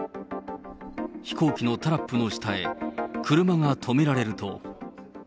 飛行機のタラップの下へ車が止められると。